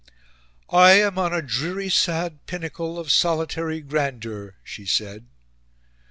"I am on a dreary sad pinnacle of solitary grandeur," she said.